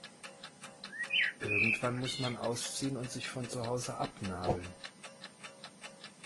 Irgendwann muss man ausziehen und sich von zu Hause abnabeln.